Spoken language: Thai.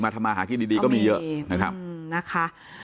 มาทำอาหารกินดีดีก็มีเยอะนะครับอืมนะคะ